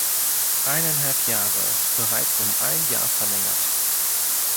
Eineinhalb Jahre, bereits um ein Jahr verlängert!